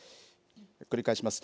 繰り返します。